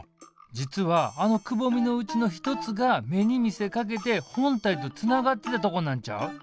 実はあのくぼみのうちの一つが芽に見せかけて本体とつながってたとこなんちゃう？